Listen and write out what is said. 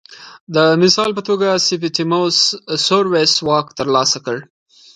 د مثال په توګه سیپټیموس سوروس واک ترلاسه کړ